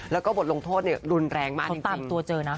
แล้วก็บทลงโทษเนี่ยรุนแรงมากจริง